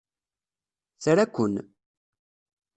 Tra-ken!